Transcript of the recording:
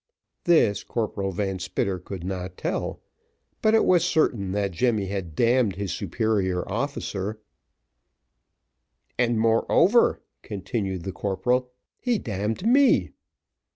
This, Corporal Van Spitter could not tell; but it was certain that Jemmy had damned his superior officer; "And moreover," continued the corporal, "he damned me."